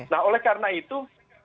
nah oleh karena itu